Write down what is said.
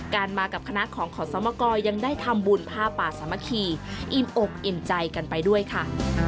มากับคณะของขอสมกรยังได้ทำบุญผ้าป่าสามัคคีอิ่มอกอิ่มใจกันไปด้วยค่ะ